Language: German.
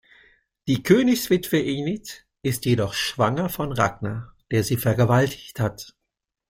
Die Königswitwe Enid ist jedoch schwanger von Ragnar, der sie vergewaltigt hat.